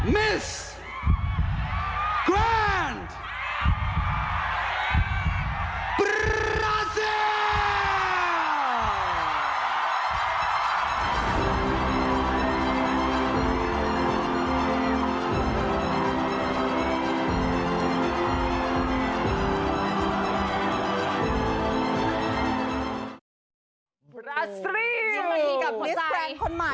มิสแกรนด์บราซิลนั่นเองค่ะ